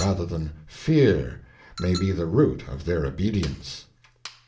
ther than Fear, may be the Root of their Obedience.